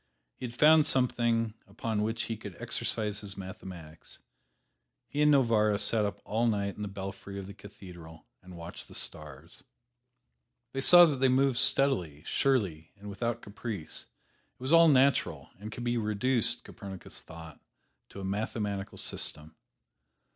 He had found something upon which he could exercise his mathematics. He and Novarra sat up all night in the belfry of the cathedral and watched the stars. They saw that they moved steadily, surely and without caprice. It was all natural, and could be reduced, Copernicus thought, to a mathematical system.